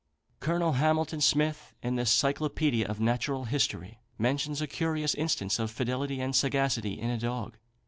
Colonel Hamilton Smith, in the "Cyclopædia of Natural History," mentions a curious instance of fidelity and sagacity in a dog.